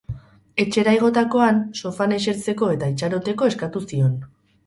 Etxera igotakoan, sofan esertzeko eta itxaroteko eskatu zion.